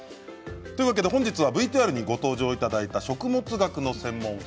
本日はＶＴＲにご登場いただいた食物学の専門家